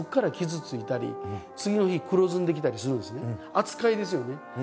扱いですよね。